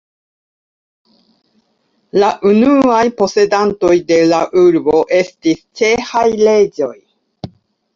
La unuaj posedantoj de la urbo estis ĉeĥaj reĝoj.